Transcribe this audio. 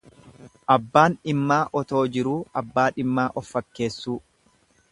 Abbaan dhimmaa otoo jiruu abbaa dhimmaa of fakkeessUu.